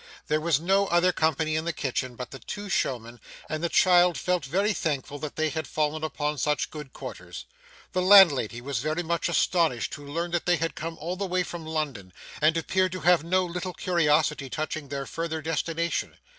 There was no other company in the kitchen but the two showmen, and the child felt very thankful that they had fallen upon such good quarters. The landlady was very much astonished to learn that they had come all the way from London, and appeared to have no little curiosity touching their farther destination.